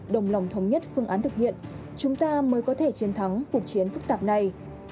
đồng lòng thống nhất phương án thực hiện chúng ta mới có thể chiến thắng cuộc chiến phức tạp này